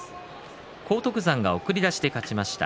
荒篤山が送り出しで勝ちました。